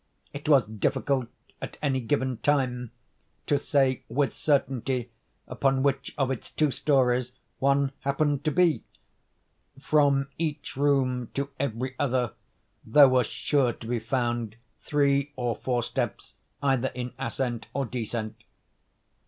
It was difficult, at any given time, to say with certainty upon which of its two stories one happened to be. From each room to every other there were sure to be found three or four steps either in ascent or descent.